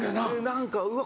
何かうわ